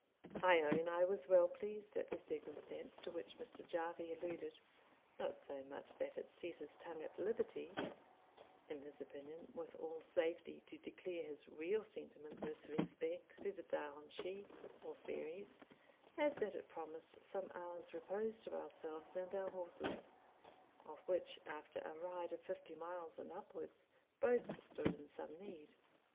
I own I was well pleased at the circumstance to which Mr. Jarvie alluded; not so much that it set his tongue at liberty, in his opinion, with all safety to declare his real sentiments with respect to the Daoine Schie, or fairies, as that it promised some hours' repose to ourselves and our horses, of which, after a ride of fifty miles and upwards, both stood in some need.